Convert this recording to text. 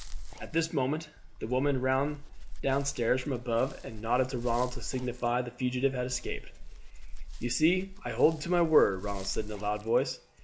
At this moment the woman ran down stairs from above and nodded to Ronald to signify that the fugitive had escaped. "You see I hold to my word," Ronald said in a loud voice.